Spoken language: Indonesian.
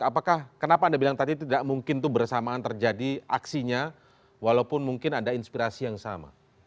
apakah kenapa anda bilang tadi tidak mungkin itu bersamaan terjadi aksinya walaupun mungkin ada inspirasi yang sama